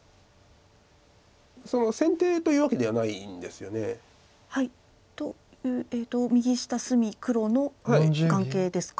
先手というわけではないんですよね。という右下隅黒の眼形ですか？